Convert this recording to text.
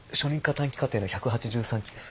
短期課程の１８３期です。